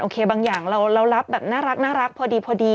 บางอย่างเรารับแบบน่ารักพอดี